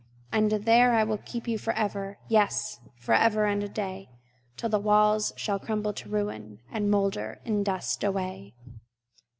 And there will I keep you forever, Yes, forever and a day, Till the walls shall crumble to ruin, And moulder in dust away!